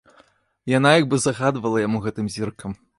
Яна як бы загадвала яму гэтым зіркам.